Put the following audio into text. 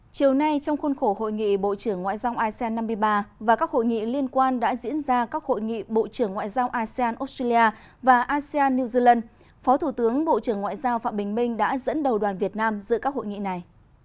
chiều nay trong khuôn khổ hội nghị bộ trưởng ngoại giao asean năm mươi ba và các hội nghị liên quan đã diễn ra các hội nghị bộ trưởng ngoại giao asean australia và asean new zealand phó thủ tướng bộ trưởng ngoại giao phạm bình minh đã dẫn đầu đoàn việt nam giữa các hội nghị này